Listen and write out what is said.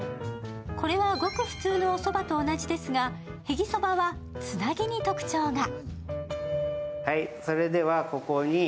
これは、ごく普通のおそばと同じですが、へぎそばはつなぎに特徴が。